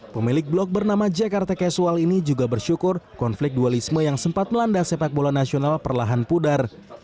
pemilik blok bernama jakarta casual ini juga bersyukur konflik dualisme yang sempat melanda sepak bola nasional perlahan pudar